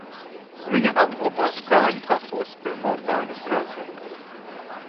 Viņa apglabāta Kāņu kapos pie Mordangas ezera.